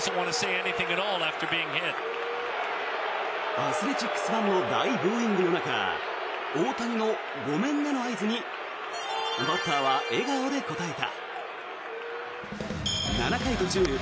アスレチックスファンの大ブーイングの中大谷のごめんねの合図にバッターは笑顔で応えた。